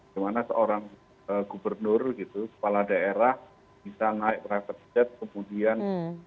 dimana seorang gubernur gitu kepala daerah bisa naik private jet kemudian